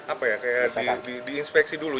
apa ya kayak diinspeksi dulu